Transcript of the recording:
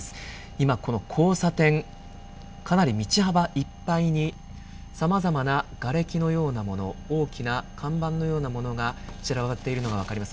今、この交差点かなり道幅いっぱいにさまざまながれきのようなもの大きな看板のようなものが散らばっているのが分かります。